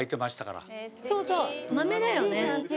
そうそうまめだよね。